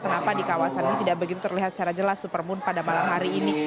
kenapa di kawasan ini tidak begitu terlihat secara jelas supermoon pada malam hari ini